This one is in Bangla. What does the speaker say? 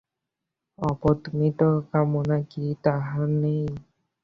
অবদমিত কামনা কি তাদের নেই?